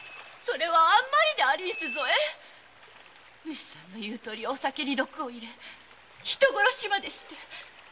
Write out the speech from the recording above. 主さんの言うとおりお酒に毒を入れ人殺しまでして。